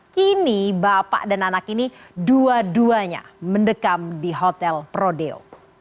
kini bapak dan anak ini dua duanya mendekam di hotel prodeo